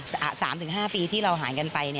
สามถึงห้าปีที่เราห่างกันไป